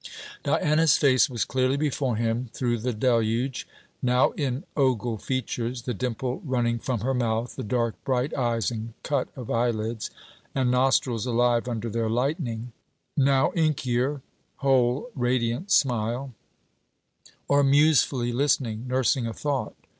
Diana's face was clearly before him through the deluge; now in ogle features, the dimple running from her mouth, the dark bright eyes and cut of eyelids, and nostrils alive under their lightning; now inkier whole radiant smile, or musefully listening, nursing a thought.